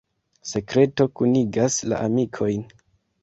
Sekreto kunigas la amikojn.